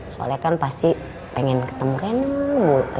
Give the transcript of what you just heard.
soalnya kan pasti pengen ketemu kan